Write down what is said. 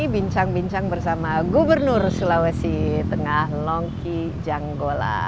bincang bincang bersama gubernur sulawesi tengah longki janggola